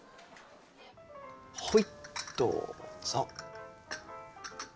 はいどうぞ。